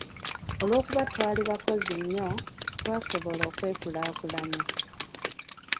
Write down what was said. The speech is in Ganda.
"Olw'okuba twali bakozi nnyo, twasobola okwekulaakulanya."